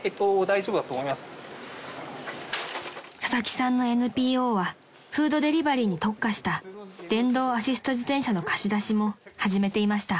［佐々木さんのＮＰＯはフードデリバリーに特化した電動アシスト自転車の貸し出しも始めていました］